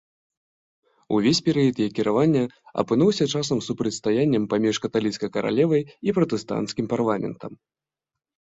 Увесь перыяд яе кіравання апынуўся часам супрацьстаяннем паміж каталіцкай каралевай і пратэстанцкім парламентам.